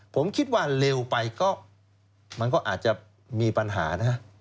ผมคิดว่าเร็วไปก็มันก็อาจจะมีปัญหานะ